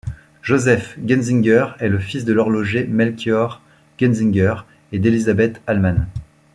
Joseph Gunzinger est le fils de l'horloger Melchior Gunzinger et d'Elizabeth Allemann.